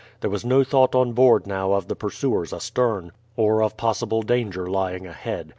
There was no thought on board now of the pursuers astern, or of possible danger lying ahead.